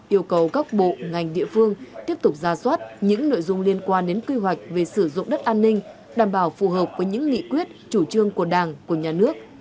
yêu cầu các bộ ngành địa phương tiếp tục ra soát những nội dung liên quan đến quy hoạch về sử dụng đất an ninh đảm bảo phù hợp với những nghị quyết chủ trương của đảng của nhà nước